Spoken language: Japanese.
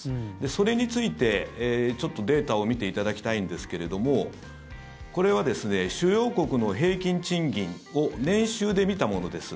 それについて、ちょっとデータを見ていただきたいんですけどもこれは主要国の平均賃金を年収で見たものです。